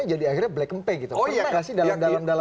jadi akhirnya black campaign